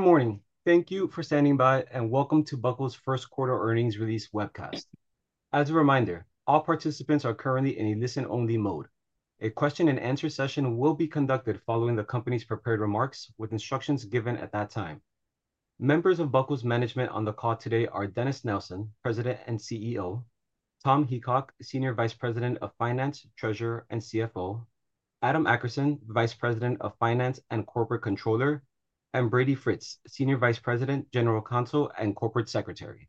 Good morning. Thank you for standing by, and Welcome To Buckle's First Quarter Earnings Release Webcast. As a reminder, all participants are currently in a listen-only mode. A question-and-answer session will be conducted following the company's prepared remarks, with instructions given at that time. Members of Buckle's management on the call today are Dennis Nelson, President and CEO, Tom Heacock, Senior Vice President of Finance, Treasurer, and CFO, Adam Akerson, Vice President of Finance and Corporate Controller, and Brady Fritz, Senior Vice President, General Counsel, and Corporate Secretary.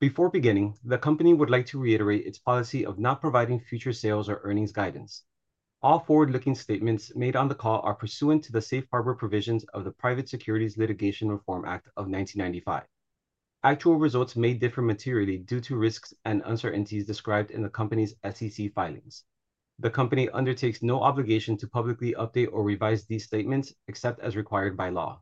Before beginning, the company would like to reiterate its policy of not providing future sales or earnings guidance. All forward-looking statements made on the call are pursuant to the Safe Harbor provisions of the Private Securities Litigation Reform Act of 1995. Actual results may differ materially due to risks and uncertainties described in the company's SEC filings. The company undertakes no obligation to publicly update or revise these statements, except as required by law.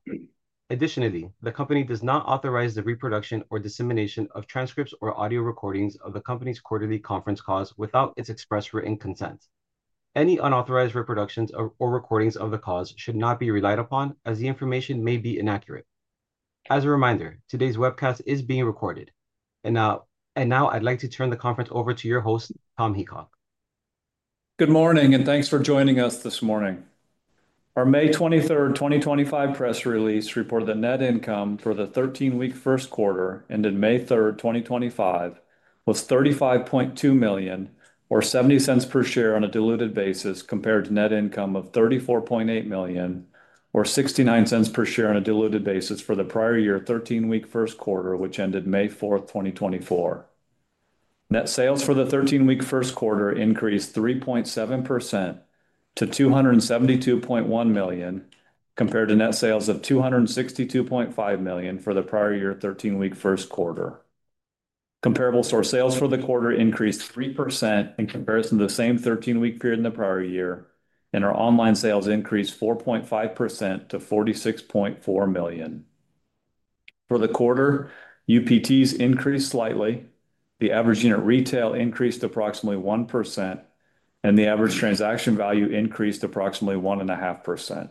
Additionally, the company does not authorize the reproduction or dissemination of transcripts or audio recordings of the company's quarterly conference calls without its express written consent. Any unauthorized reproductions or recordings of the calls should not be relied upon, as the information may be inaccurate. As a reminder, today's webcast is being recorded. I would like to turn the conference over to your host, Tom Heacock. Good morning, and thanks for joining us this morning. Our May 23, 2025 press release reported that Net income for the 13-week first quarter ended May 3, 2025, was $35.2 million, or $0.70 per share on a diluted basis, compared to Net income of $34.8 million, or $0.69 per share on a diluted basis for the prior year 13-week first quarter, which ended May 4, 2024. Net sales for the 13-week first quarter increased 3.7% to $272.1 million, compared to net sales of $262.5 million for the prior year 13-week first quarter. Comparable store sales for the quarter increased 3% in comparison to the same 13-week period in the prior year, and our online sales increased 4.5% to $46.4 million. For the quarter, UPTs increased slightly, the average unit retail increased approximately 1%, and the average transaction value increased approximately 1.5%.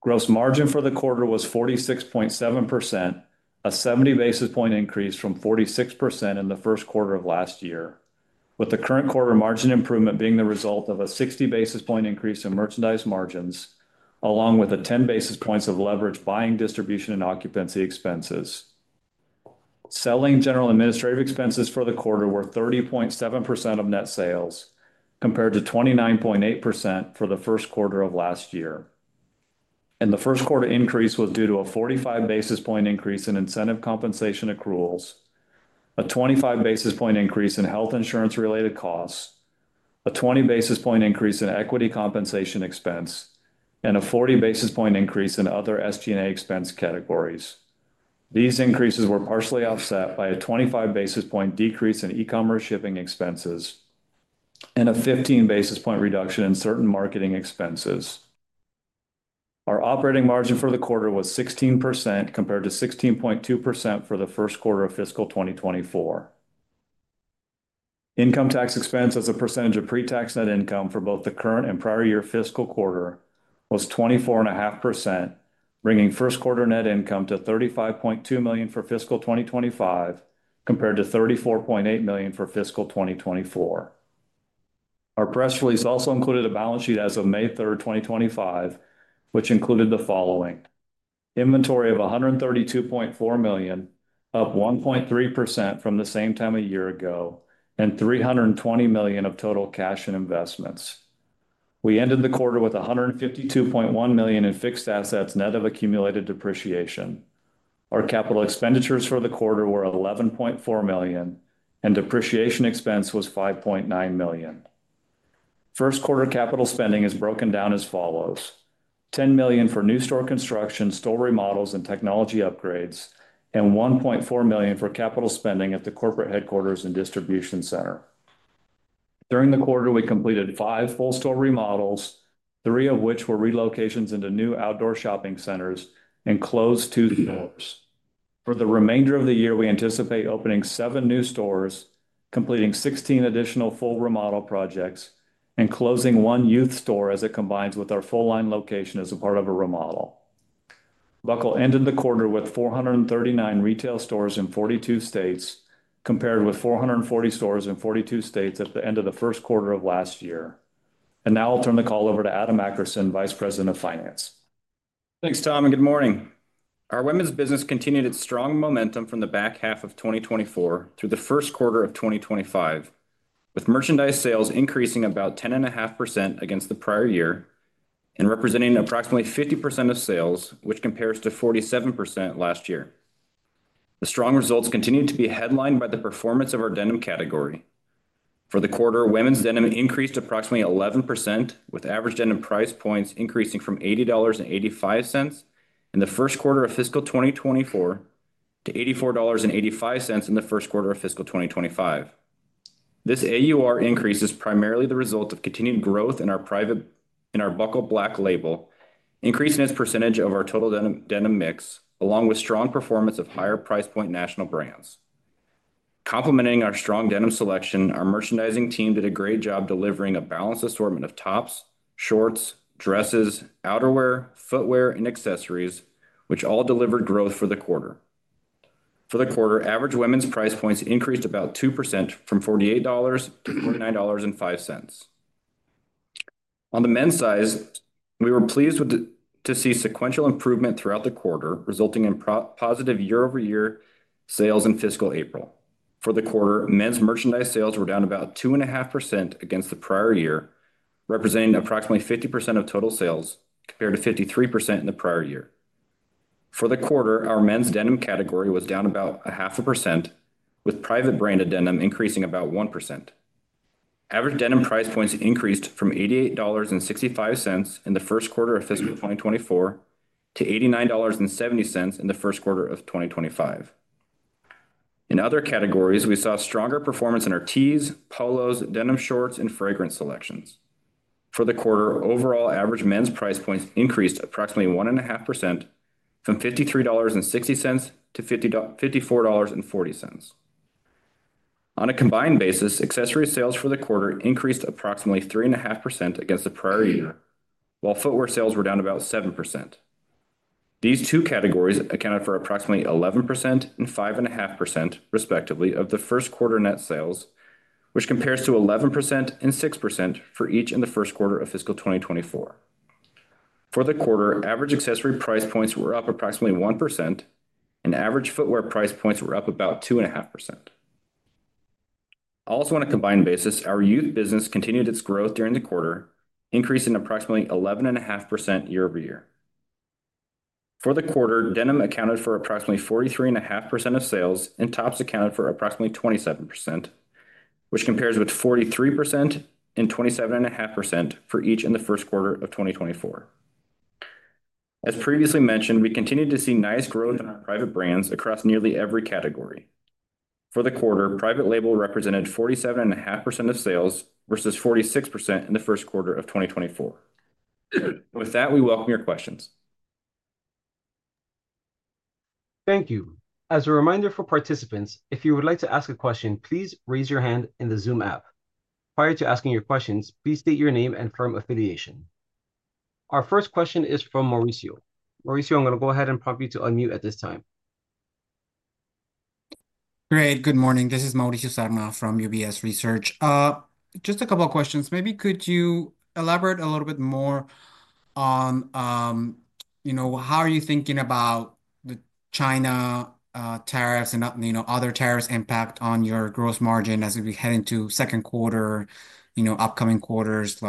Gross margin for the quarter was 46.7%, a 70 basis point increase from 46% in the first quarter of last year, with the current quarter margin improvement being the result of a 60 basis point increase in merchandise margins, along with 10 basis points of leverage buying distribution and occupancy expenses. Selling general administrative expenses for the quarter were 30.7% of net sales, compared to 29.8% for the first quarter of last year. The first quarter increase was due to a 45 basis point increase in incentive compensation accruals, a 25 basis point increase in health insurance-related costs, a 20 basis point increase in equity compensation expense, and a 40 basis point increase in other SG&A expense categories. These increases were partially offset by a 25 basis point decrease in E-commerce shipping expenses and a 15 basis point reduction in certain marketing expenses. Our Operating margin for the quarter was 16%, compared to 16.2% for the first quarter of fiscal 2024. Income tax expense as a percentage of pre-tax Net income for both the current and prior year fiscal quarter was 24.5%, bringing first quarter Net income to $35.2 million for fiscal 2025, compared to $34.8 million for fiscal 2024. Our press release also included a Balance sheet as of May 3, 2025, which included the following: inventory of $132.4 million, up 1.3% from the same time a year ago, and $320 million of total cash and investments. We ended the quarter with $152.1 million in fixed assets net of accumulated depreciation. Our capital expenditures for the quarter were $11.4 million, and depreciation expense was $5.9 million. First quarter capital spending is broken down as follows: $10 million for new store construction, store remodels, and technology upgrades, and $1.4 million for capital spending at the corporate headquarters and distribution center. During the quarter, we completed five full store remodels, three of which were relocations into new outdoor shopping centers and closed two stores. For the remainder of the year, we anticipate opening seven new stores, completing 16 additional full remodel projects, and closing one youth store as it combines with our full-line location as a part of a remodel. Buckle ended the quarter with 439 retail stores in 42 states, compared with 440 stores in 42 states at the end of the first quarter of last year. Now I'll turn the call over to Adam Akerson, Vice President of Finance. Thanks, Tom, and good morning. Our women's business continued its strong momentum from the back half of 2024 through the first quarter of 2025, with merchandise sales increasing about 10.5% against the prior year and representing approximately 50% of sales, which compares to 47% last year. The strong results continue to be headlined by the performance of our denim category. For the quarter, women's denim increased approximately 11%, with average denim price points increasing from $80.85 in the first quarter of fiscal 2024 to $84.85 in the first quarter of fiscal 2025. This AUR increase is primarily the result of continued growth in our Buckle Black label, increasing its percentage of our total denim mix, along with strong performance of higher price point national brands. Complementing our strong denim selection, our merchandising team did a great job delivering a balanced assortment of tops, shorts, dresses, outerwear, footwear, and accessories, which all delivered growth for the quarter. For the quarter, average women's price points increased about 2% from $48.00 to $49.05. On the men's side, we were pleased to see sequential improvement throughout the quarter, resulting in positive year-over-year sales in fiscal April. For the quarter, men's merchandise sales were down about 2.5% against the prior year, representing approximately 50% of total sales, compared to 53% in the prior year. For the quarter, our men's denim category was down about 0.5%, with private-branded denim increasing about 1%. Average denim price points increased from $88.65 in the first quarter of fiscal 2024 to $89.70 in the first quarter of 2025. In other categories, we saw stronger performance in our tees, polos, denim shorts, and fragrance selections. For the quarter, overall average men's price points increased approximately 1.5% from $53.60 to $54.40. On a combined basis, accessory sales for the quarter increased approximately 3.5% against the prior year, while footwear sales were down about 7%. These two categories accounted for approximately 11% and 5.5%, respectively, of the first quarter net sales, which compares to 11% and 6% for each in the first quarter of fiscal 2024. For the quarter, average accessory price points were up approximately 1%, and average footwear price points were up about 2.5%. Also, on a combined basis, our youth business continued its growth during the quarter, increasing approximately 11.5% year-over-year. For the quarter, denim accounted for approximately 43.5% of sales, and tops accounted for approximately 27%, which compares with 43% and 27.5% for each in the first quarter of 2024. As previously mentioned, we continued to see nice growth in our private brands across nearly every category. For the quarter, private label represented 47.5% of sales versus 46% in the first quarter of 2024. With that, we welcome your questions. Thank you. As a reminder for participants, if you would like to ask a question, please raise your hand in the Zoom app. Prior to asking your questions, please state your name and firm affiliation. Our first question is from Mauricio. Mauricio, I'm going to go ahead and prompt you to unmute at this time. Great. Good morning. This is Mauricio Serna from UBS Research. Just a couple of questions. Maybe could you elaborate a little bit more on how are you thinking about the China tariffs and other tariffs' impact on your gross margin as we head into second quarter, upcoming quarters?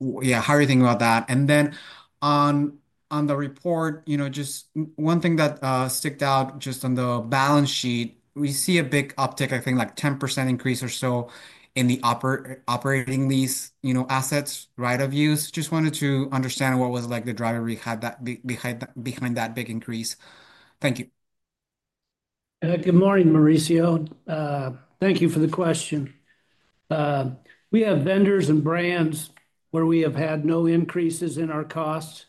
Yeah, how are you thinking about that? And then on the report, just one thing that stuck out just on the balance sheet, we see a big uptick, I think, like 10% increase or so in the operating lease assets right of use. Just wanted to understand what was the driver behind that big increase. Thank you. Good morning, Mauricio. Thank you for the question. We have vendors and brands where we have had no increases in our costs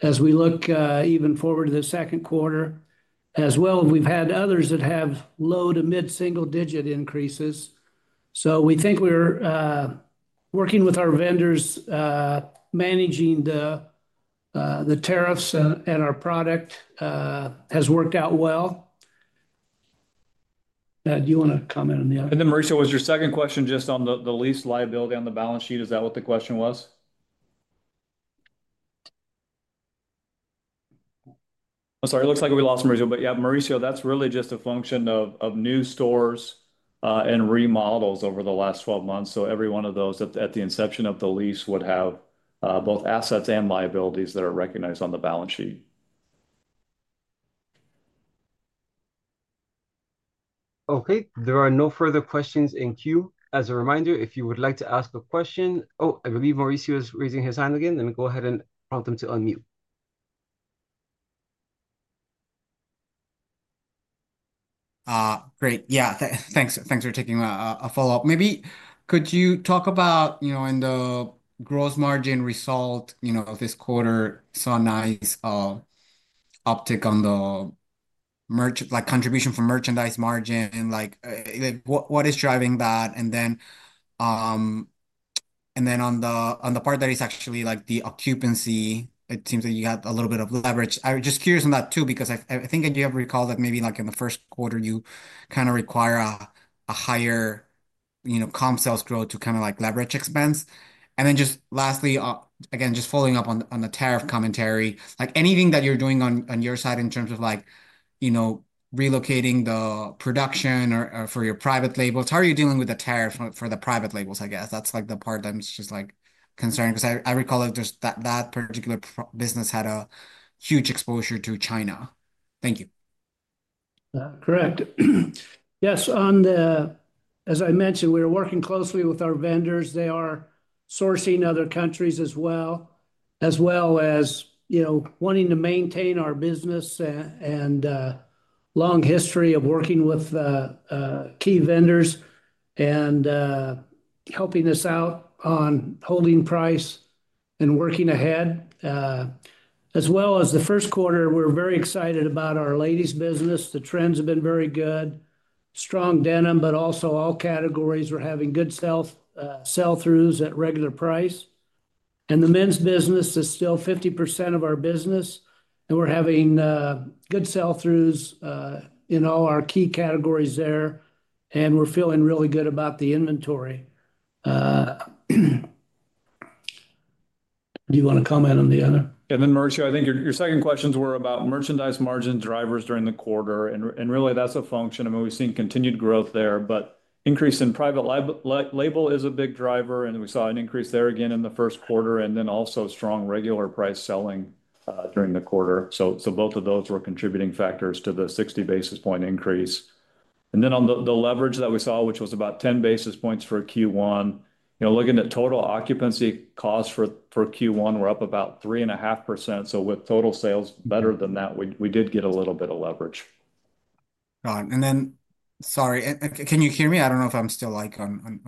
as we look even forward to the second quarter. As well, we've had others that have low to mid-single-digit increases. We think we're working with our vendors, managing the tariffs, and our product has worked out well. Do you want to comment on the other? Mauricio, was your second question just on the lease liability on the Balance sheet? Is that what the question was? I'm sorry, it looks like we lost Mauricio. Yeah, Mauricio, that's really just a function of new stores and remodels over the last 12 months. Every one of those at the inception of the lease would have both assets and liabilities that are recognized on the Balance sheet. Okay. There are no further questions in queue. As a reminder, if you would like to ask a question, oh, I believe Mauricio is raising his hand again. Let me go ahead and prompt him to unmute. Great. Yeah, thanks for taking a follow-up. Maybe could you talk about, in the Gross margin result this quarter, saw a nice uptick on the contribution for merchandise margin? What is driving that? On the part that is actually the occupancy, it seems that you had a little bit of leverage. I was just curious on that, too, because I think you have recalled that maybe in the first quarter, you kind of require a higher comp sales growth to kind of leverage expense. Just lastly, again, just following up on the tariff commentary, anything that you're doing on your side in terms of relocating the production for your private labels, how are you dealing with the tariffs for the private labels, I guess? That is the part that I'm just concerned because I recall that that particular business had a huge exposure to China. Thank you. Correct. Yes. As I mentioned, we're working closely with our vendors. They are sourcing other countries as well, as well as wanting to maintain our business and long history of working with key vendors and helping us out on holding price and working ahead. As well as the first quarter, we're very excited about our ladies' business. The trends have been very good. Strong denim, but also all categories were having good sell-throughs at regular price. The men's business is still 50% of our business, and we're having good sell-throughs in all our key categories there, and we're feeling really good about the inventory. Do you want to comment on the other? Mauricio, I think your second questions were about merchandise margin drivers during the quarter. That is a function of what we have seen, continued growth there. Increase in private label is a big driver, and we saw an increase there again in the first quarter, and also strong regular price selling during the quarter. Both of those were contributing factors to the 60 basis point increase. On the leverage that we saw, which was about 10 basis points for Q1, looking at total occupancy costs for Q1, we are up about 3.5%. With total sales better than that, we did get a little bit of leverage. Got it. Sorry, can you hear me? I don't know if I'm still on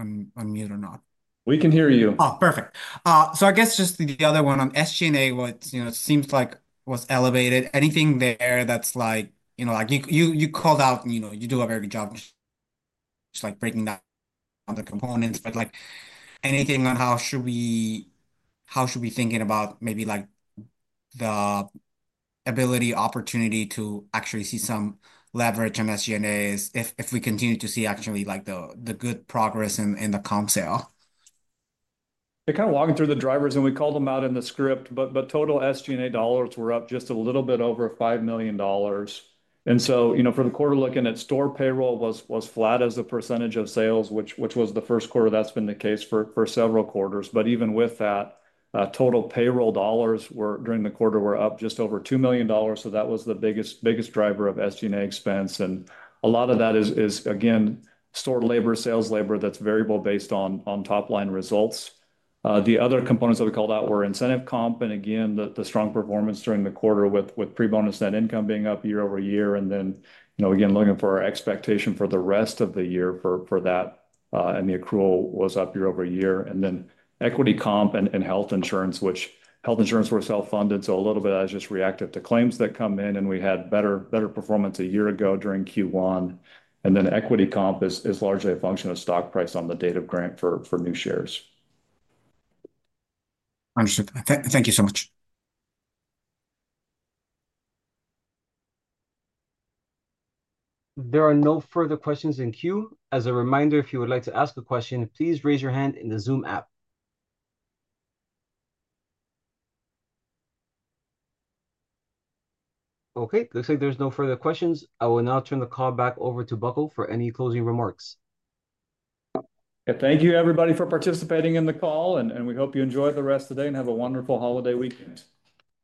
mute or not. We can hear you. Oh, perfect. I guess just the other one on SG&A seems like was elevated. Anything there that's like you called out, you do a very good job breaking down the components, but anything on how should we think about maybe the ability opportunity to actually see some leverage on SG&A if we continue to see actually the good progress in the comp sale? They're kind of walking through the drivers, and we called them out in the script, but total SG&A dollars were up just a little bit over $5 million. For the quarter, looking at store payroll was flat as a percentage of sales, which was the first quarter that's been the case for several quarters. Even with that, total payroll dollars during the quarter were up just over $2 million. That was the biggest driver of SG&A expense. A lot of that is, again, store labor, sales labor that's variable based on top-line results. The other components that we called out were incentive comp and, again, the strong performance during the quarter with pre-bonus Net income being up year-over-year. Again, looking for our expectation for the rest of the year for that, and the accrual was up year-over-year. Equity comp and health insurance, which health insurance we are self-funded. A little bit is just reactive to claims that come in, and we had better performance a year ago during Q1. Equity comp is largely a function of stock price on the date of grant for new shares. Understood. Thank you so much. There are no further questions in queue. As a reminder, if you would like to ask a question, please raise your hand in the Zoom app. Okay. Looks like there are no further questions. I will now turn the call back over to Buckle for any closing remarks. Thank you, everybody, for participating in the call, and we hope you enjoy the rest of the day and have a wonderful holiday weekend.